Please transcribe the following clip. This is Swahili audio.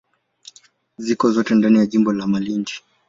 Zote ziko ndani ya jimbo la Malindi.